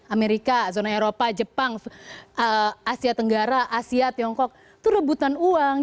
amerika zona eropa jepang asia tenggara asia tiongkok itu rebutan uang